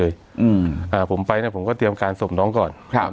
อืมอ่าผมไปเนี้ยผมก็เตรียมการส่งน้องก่อนครับ